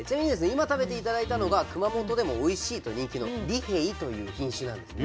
今食べて頂いたのが熊本でもおいしいと人気の「利平」という品種なんですね。